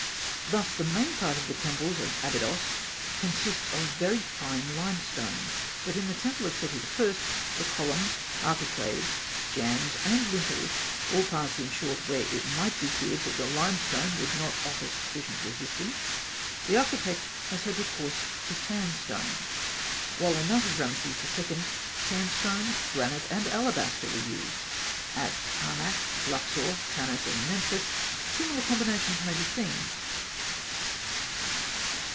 Thus the main part of the temples of Abydos consists of very fine limestone; but in the temple of Seti I., the columns, architraves, jambs, and lintels, all parts, in short, where it might be feared that the limestone would not offer sufficient resistance, the architect has had recourse to sandstone; while in that of Rameses II., sandstone, granite, and alabaster were used. At Karnak, Luxor, Tanis, and Memphis, similar combinations may be seen.